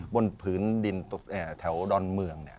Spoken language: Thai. บนผืนดินแถวดอนเมืองเนี่ย